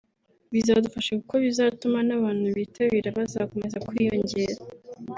…bizadufasha kuko bizatuma n’abantu bitabira bakomeza kwiyongera